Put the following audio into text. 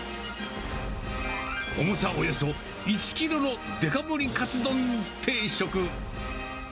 重さおよそ１キロのデカ盛りカツ丼定食。